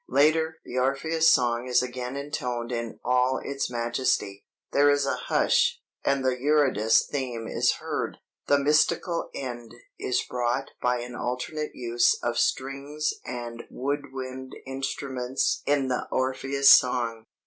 [Later] the Orpheus song is again intoned in all its majesty. There is a hush, and the Eurydice theme is heard. The 'mystical end' is brought by an alternate use of strings and wood wind instruments in the Orpheus song."